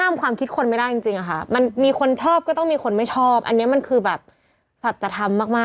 ปุ๊บปุ๊บปุ๊บปุ๊บปุ๊บปุ๊บปุ๊บปุ๊บ